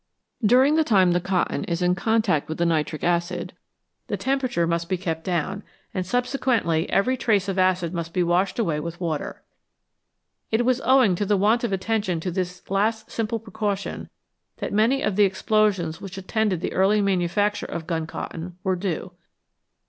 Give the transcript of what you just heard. During the time the cotton is in contact with the nitric acid the temperature must be kept down, and subsequently every trace of acid must be washed away with water. It was owing to want of attention to this last simple precaution that many of the explosions which attended the early manufacture of gun cotton were due.